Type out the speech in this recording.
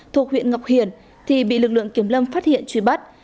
thuộc huyện ngọc hiển thì bị lực lượng kiểm lâm phát hiện truy bắt